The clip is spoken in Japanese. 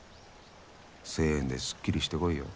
１０００円ですっきりしてこいよ。